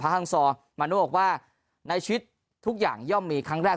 พระห้างซอร์มาโน้กว่าในชิดทุกอย่างย่อมมีครั้งแรก